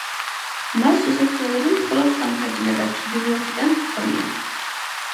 მას შესასვლელები მხოლოდ სამხრეთიდან და ჩრდილოეთიდან ჰქონია.